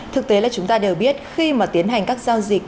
thực tế là chúng ta đều biết khi mà tiến hành các giao dịch